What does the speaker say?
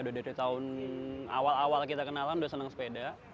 udah dari tahun awal awal kita kenalan udah senang sepeda